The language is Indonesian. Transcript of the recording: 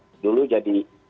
amerika dulu jadi